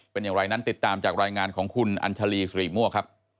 เป็นอย่างไรนั้นติดตามจากรายงานของคุณอัญชาลีสุริมั่วครับ